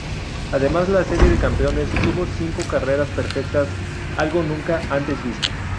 Además la Serie de Campeones tuvo cinco carreras perfectas, algo nunca antes visto.